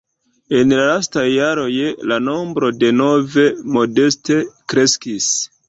En la lastaj jaroj la nombro de nove modeste kreskis.